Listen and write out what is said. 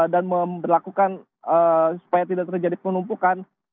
dan memperlakukan supaya tidak terjadi penumpukan